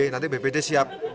nanti bppt siap